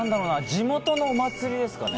地元のお祭りですかね。